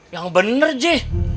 yang bener ji